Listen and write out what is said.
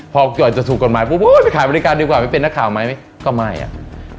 พอก่อนจะถูกกฎหมายปุ๊บโอ้ยไปขายบริการดีกว่าไม่เป็นนักข่าวไหมก็ไม่อ่ะ